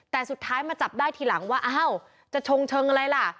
แต่สุดท้ายมาจับได้ทีหลังว่าอ้าวจะชงเชิงอะไรล่ะ